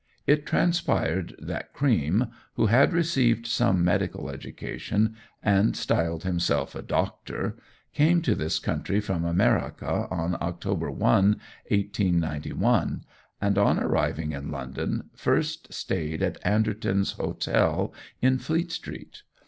It transpired that Cream, who had received some medical education and styled himself a "doctor," came to this country from America on October 1, 1891, and on arriving in London first stayed at Anderton's Hotel, in Fleet Street.